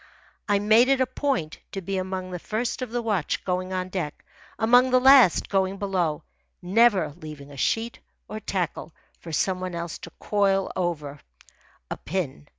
I made it a point to be among the first of the watch going on deck, among the last going below, never leaving a sheet or tackle for some one else to coil over a pin.